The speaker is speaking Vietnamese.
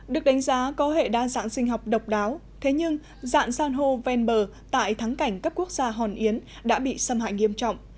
được đánh giá có hệ đa dạng sinh học độc đáo thế nhưng dạng san hô ven bờ tại thắng cảnh cấp quốc gia hòn yến đã bị xâm hại nghiêm trọng